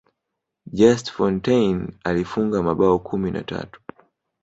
just fontaine alifunga mabao kumi na tatu